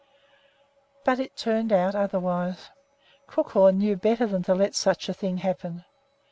But it turned out otherwise. Crookhorn knew better than to let such a thing happen.